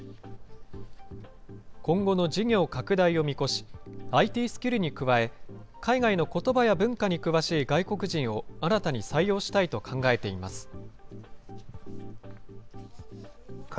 今後の事業拡大を見越し、ＩＴスキルに加え、海外のことばや文化に詳しい外国人を、新たに採用したいと考えています。